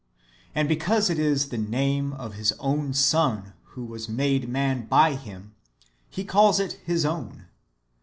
And because it is [the name] of His own Son, w^io was made man by Him, He calls it His own.